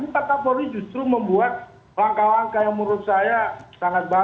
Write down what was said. pak kapolri justru membuat langkah langkah yang menurut saya sangat baik